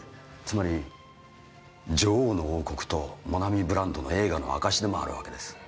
つまり女王の王国とモナミブランドの栄華の証しでもあるわけです。